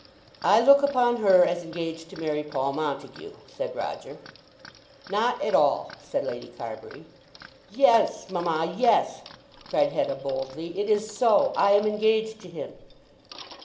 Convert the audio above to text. "I look upon her as engaged to marry Paul Montague," said Roger. "Not at all," said Lady Carbury. "Yes; mamma, yes," cried Hetta boldly. "It is so. I am engaged to him."